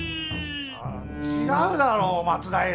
違うだろう松平！